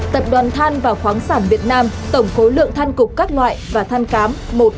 tập đoàn than và khoáng sản việt nam tổng cối lượng than cục các loại và than cám một hai ba